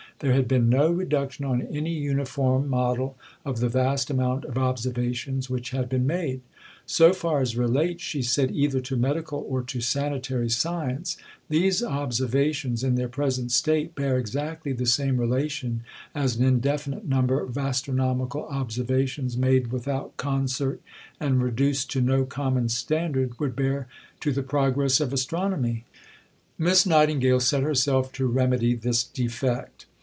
There had been no reduction on any uniform model of the vast amount of observations which had been made. "So far as relates," she said, "either to medical or to sanitary science, these observations in their present state bear exactly the same relation as an indefinite number of astronomical observations made without concert, and reduced to no common standard, would bear to the progress of astronomy." A Contribution, p. 3 (Bibliography A, No. 14). Hospital Statistics (Bibliography A, No. 28). Miss Nightingale set herself to remedy this defect.